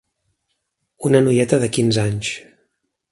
Una noieta de quinze anys.